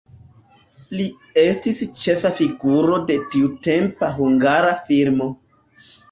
Li estis ĉefa figuro de tiutempa hungara filmo.